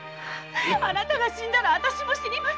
あなたが死んだら私も死にます！